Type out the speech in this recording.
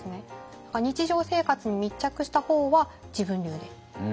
日常生活に密着した方は自分流で。